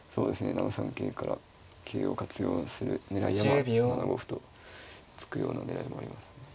７三桂から桂を活用する狙いで７五歩と突くような狙いもありますね。